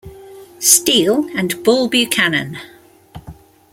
Steele and Bull Buchanan.